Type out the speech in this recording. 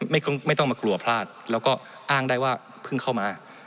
ไม่ต้องมากลัวพลาดแล้วก็อ้างได้ว่าเพิ่งเข้ามา